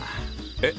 えっ？